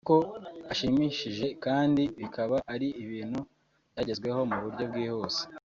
kuko hashimishije kandi bikaba ari ibintu byagezweho mu buryo bwihuse